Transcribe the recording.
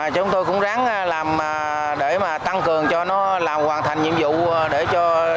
chúng tôi cũng ráng làm để tăng cường cho nó hoàn thành nhiệm vụ để cho thời gian do đường này